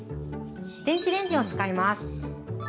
電子レンジを使います。